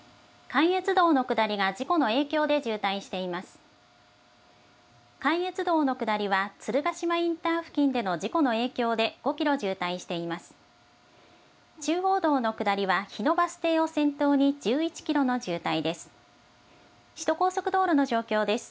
関越道の下りは、鶴ヶ島インター付近での事故の影響で、５キロ渋滞しています。